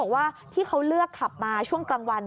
ว่าที่เขาเลือกขับมาช่วงกลางวัน